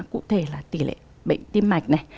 cụ thể là tỷ lệ bệnh tim mạch này